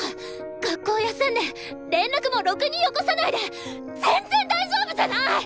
学校休んで連絡もろくによこさないで全然大丈夫じゃない！